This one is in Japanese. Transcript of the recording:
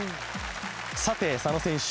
さて佐野選手